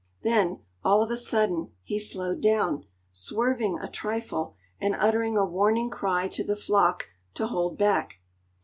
Then, all of a sudden he slowed down, swerving a trifle, and uttering a warning cry to the flock to hold back.